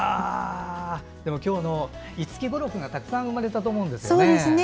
今日は五木語録がたくさん生まれたと思うんですよね。